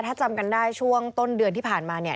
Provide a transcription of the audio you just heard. ถ้าจำกันได้ช่วงต้นเดือนที่ผ่านมาเนี่ย